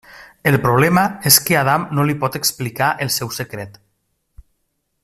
El problema és que Adam no li pot explicar el seu secret.